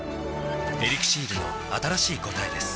「エリクシール」の新しい答えです